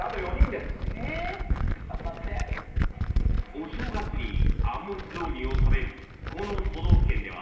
［お正月にあん餅雑煮を食べるこの都道府県では］